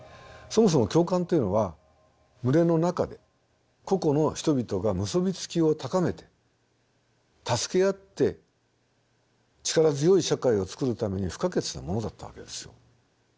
そもそも共感というのは群れの中で個々の人々が結び付きを高めて助け合って力強い社会を作るために不可欠なものだったわけですよ。